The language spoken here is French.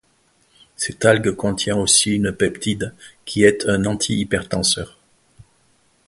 Cette algue contient aussi une peptide qui est un Antihypertenseur.